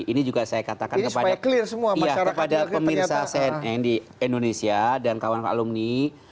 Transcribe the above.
ini juga saya katakan kepada pemirsa cnn di indonesia dan kawan kalung ini